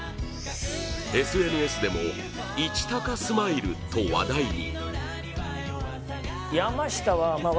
ＳＮＳでもイチタカスマイルと話題に。